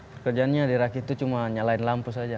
pekerjaannya di rakit itu cuma nyalain lampu saja